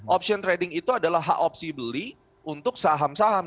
option trading itu adalah hak opsi beli untuk saham saham